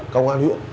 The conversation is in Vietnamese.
công an huyện